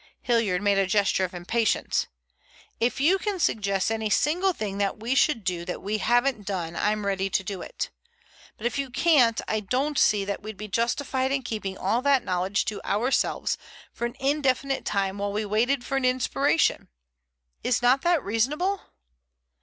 Hilliard made a gesture of impatience. "If you can suggest any single thing that we should do that we haven't done, I'm ready to do it. But if you can't, I don't see that we'd be justified in keeping all that knowledge to ourselves for an indefinite time while we waited for an inspiration. Is not that reasonable?"